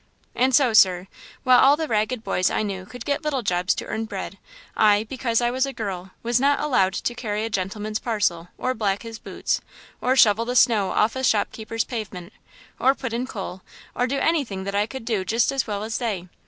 And so, sir, while all the ragged boys I knew could get little jobs to earn bread, I, because I was a girl, was not allowed to carry a gentleman's parcel or black his boots, or shovel the snow off a shopkeeper's pavement, or put in coal, or do anything that I could do just as well as they.